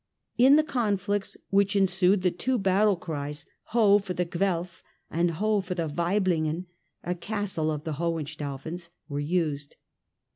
In the conflicts which ensued the two battle cries " Ho ! for Guelf! " and " Ho ! for Waiblingen !" (a castle of the Hohenstaufens) were used.